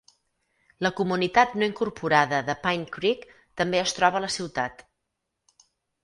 La comunitat no incorporada de Pine Creek també es troba a la ciutat.